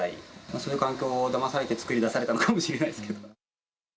そういう環境をだまされて作り出されたのかもしれないですけど。